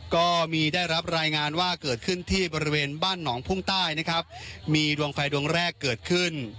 ก็มีได้รับรายงานว่าเกิดขึ้นที่บริเวณบ้านหนองพุ่งใต้นะครับมีดวงไฟดวงแรกเกิดขึ้น